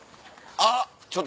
あっ！